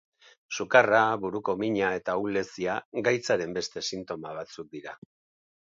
Sukarra, buruko mina eta ahulezia gaitzaren beste sintoma batzuk dira.